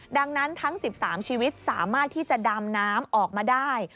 ดังนั้นทั้ง๑๓ชีวิตสามารถที่จะดำน้ำออกมาได้